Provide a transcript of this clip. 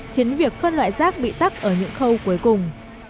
khiến việc phân loại rác bị tắt ở những khâu cuối cùng